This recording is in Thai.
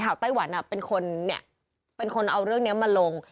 ไต้หวันเป็นคนเอาเรื่องนี้มาลง